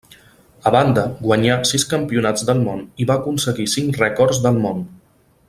A banda guanyà sis campionats del món i va aconseguir cinc rècords del món.